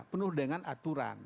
penuh dengan aturan